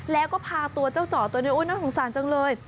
แล้วก็พาตัวเจ้าเจาะตัวนี้โอ้น่าสงสารจังเลย